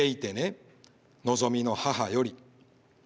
のぞみの母より」。